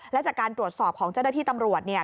และจากการตรวจสอบของเจ้าหน้าที่ตำรวจเนี่ย